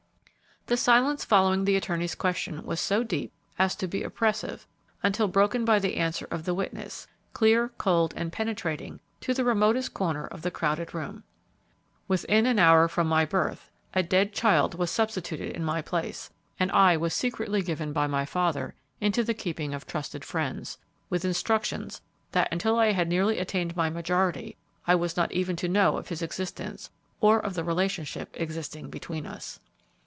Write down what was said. The silence following the attorney's question was so deep as to be oppressive until broken by the answer of the witness, clear, cold, and penetrating to the remotest corner of the crowded room. "Within an hour from my birth, a dead child was substituted in my place, and I was secretly given by my father into the keeping of trusted friends, with instructions that until I had nearly attained my majority I was not even to know of his existence, or of the relationship existing between us."